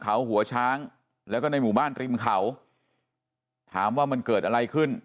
เขาหัวช้างแล้วก็ในหมู่บ้านริมเขาถามว่ามันเกิดอะไรขึ้น